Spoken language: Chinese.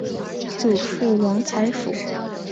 祖父王才甫。